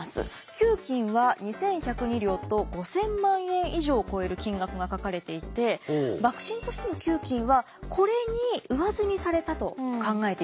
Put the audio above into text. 給金は２，１０２両と５，０００万円以上超える金額が書かれていて幕臣としての給金はこれに上積みされたと考えてよさそうです。